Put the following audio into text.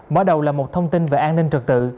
mở đầu là một thông tin về an ninh trật tự